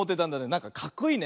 なんかかっこいいね。